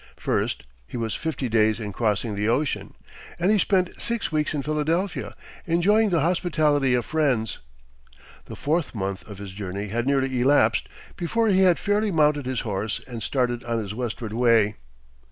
First, he was fifty days in crossing the ocean, and he spent six weeks in Philadelphia, enjoying the hospitality of friends. The fourth month of his journey had nearly elapsed before he had fairly mounted his horse and started on his westward way.